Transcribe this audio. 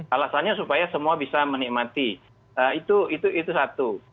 alasannya supaya semua bisa menikmati itu satu